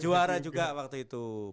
juara juga waktu itu